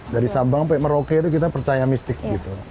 dari sabang sampai merauke itu kita percaya mistik gitu